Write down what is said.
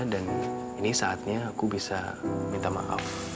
dan ini saatnya aku bisa minta maaf